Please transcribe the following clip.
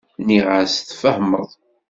Nniɣ-as tfehmeḍ.